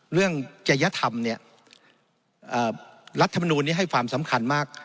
จริยธรรมเนี่ยรัฐมนูลนี้ให้ความสำคัญมาก